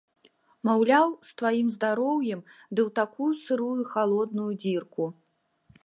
Маўляў, з тваім здароўем ды ў такую сырую і халодную дзірку.